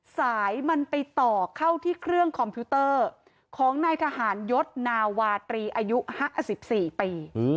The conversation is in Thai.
สายมันไปต่อเข้าที่เครื่องคอมพิวเตอร์ของนายทหารยศนาวาตรีอายุ๕๔ปี